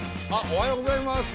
おはようございます。